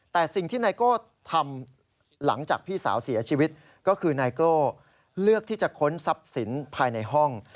แต่สิ่งที่ไนโก้ทำหลังจากพี่สาวเสียชีวิตก็คือนายโก้เลือกที่จะค้นทรัพย์สินภายในห้อง